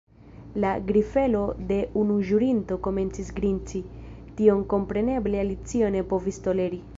La grifelo de unu ĵurinto komencis grinci. Tion kompreneble Alicio ne povis toleri.